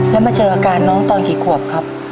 แล้วมาเจออาการน้องตอนกี่ขวบครับ